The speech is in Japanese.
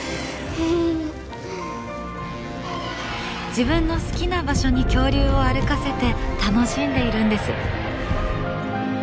自分の好きな場所に恐竜を歩かせて楽しんでいるんです。